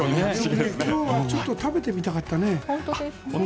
今日はちょっと食べてみたかったね。